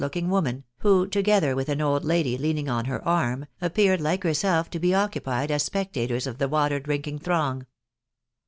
looking woman, who, together with an old Isdy leaning at as arm, appeared like herself to be occupied aa spectators of the water drinking throng.